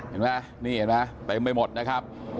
เห็นไหมไปไปหมดนะครับ